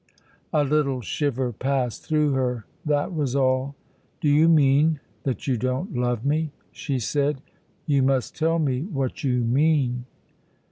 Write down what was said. A little shiver passed through her, that was all. "Do you mean that you don't love me?" she said. "You must tell me what you mean."